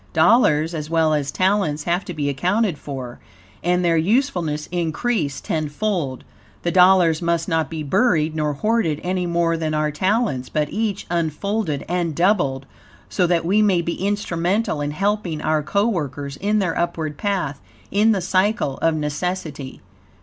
Dollars, as well as talents, have to be accounted for, and their usefulness increased tenfold. The dollars must not be buried nor hoarded any more than our talents, but each, unfolded and doubled, so that we may be instrumental in helping our coworkers in their upward path, in the Cycle of Necessity.